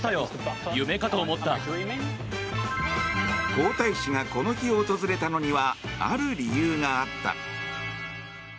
皇太子がこの日、訪れたのにはある理由があった。